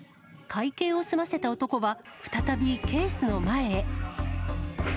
会計を済ませた男は、再びケースの前へ。